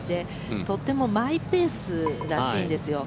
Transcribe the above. とってもマイペースらしいんですよ。